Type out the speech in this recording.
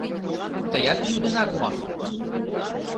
— Тыят лӱдынат мо?